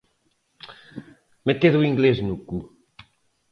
Supply Chain Management envolve gerenciamento da cadeia de suprimentos.